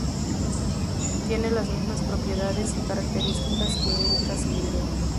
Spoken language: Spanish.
Tiene las mismas propiedades y características que "Erica cinerea".